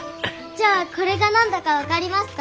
じゃあこれが何だか分かりますか？